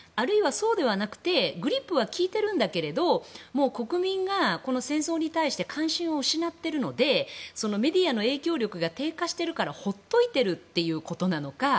そうではなくてグリップは利いているんだけどもう国民がこの戦争に対して関心を失っているのでメディアの影響力が低下しているからほっといているということなのか